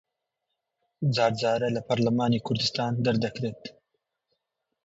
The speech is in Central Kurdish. جار جارە لە پەرلەمانی کوردستان دەردەکرێت